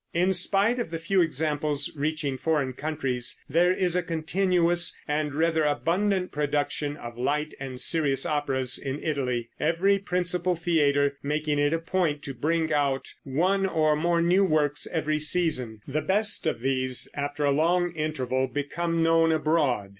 In spite of the few examples reaching foreign countries, there is a continuous and rather abundant production of light and serious operas in Italy, every principal theater making it a point to bring out one or more new works every season. The best of these, after a long interval, become known abroad.